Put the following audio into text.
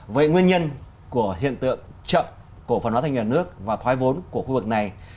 vậy nguyên nhân của hiện tượng chậm cổ phần hóa doanh nghiệp nhà nước và thoái vốn của khu vực này